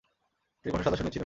তিনি কঠোর সাজা শুনিয়েছিলেন।